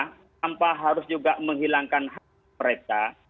tanpa harus juga menghilangkan hak mereka